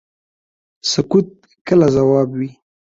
سکوت کله ځواب وي.